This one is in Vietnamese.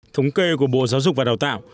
thống kê của bộ giáo dục và đào tạo